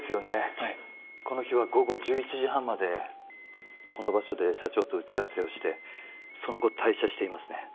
はいこの日は午後１１時半までこの場所で社長と打ち合わせをしてその後退社していますね